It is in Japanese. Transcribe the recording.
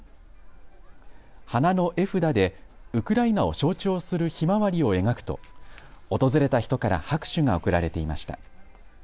鼻の絵筆でウクライナを象徴するヒマワリを描くと訪れた人から拍手が送られていました。